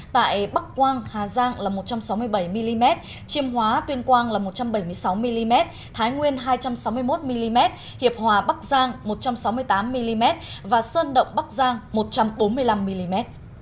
tại bắc quang hà giang là một trăm sáu mươi bảy mm chiêm hóa tuyên quang là một trăm bảy mươi sáu mm thái nguyên hai trăm sáu mươi một mm hiệp hòa bắc giang một trăm sáu mươi tám mm và sơn động bắc giang một trăm bốn mươi năm mm